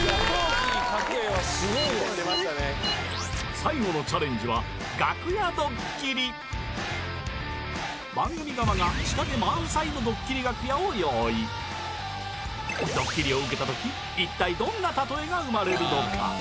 最後のチャレンジは番組側が仕掛け満載のドッキリ楽屋を用意ドッキリを受けたとき一体どんなたとえが生まれるのか？